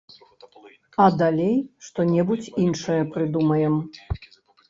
А далей што-небудзь іншае прыдумаем.